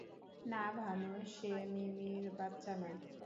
না ভানু, সে মিমি-র বাচ্চা নয়।